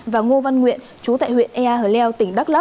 và ngô văn nguyện chú tại huyện ea hờ leo tỉnh đắk lắc